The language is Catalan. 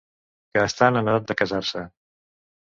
Que estan en edat de casar-se.